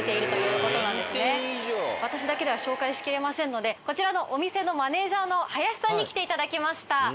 私だけでは紹介しきれませんのでこちらのお店のマネージャーの林さんに来ていただきました。